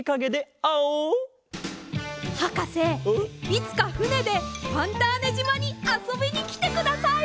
いつかふねでファンターネじまにあそびにきてください。